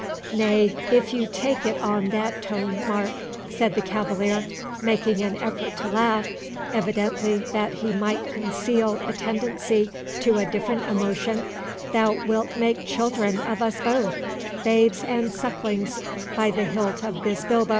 "Nay, if you take it on that tone, Mark," said the cavalier, making an effort to laugh, evidently that he might conceal a tendency to a different emotion, "thou wilt make children of us both—babes and sucklings, by the hilt of this bilbo.